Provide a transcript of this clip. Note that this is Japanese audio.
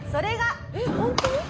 えっホント？